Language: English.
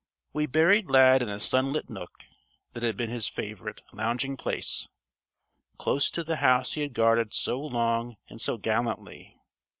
We buried Lad in a sunlit nook that had been his favorite lounging place, close to the house he had guarded so long and so gallantly.